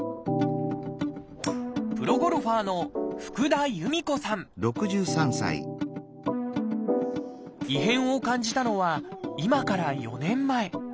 プロゴルファーの異変を感じたのは今から４年前。